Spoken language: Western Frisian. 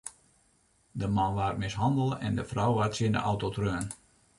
De man waard mishannele en de frou waard tsjin de auto treaun.